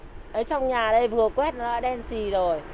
sương ngủ ấy trong nhà đây vừa quét nó đã đen xì rồi